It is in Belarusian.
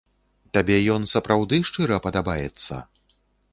Табе ён сапраўды шчыра падабаецца?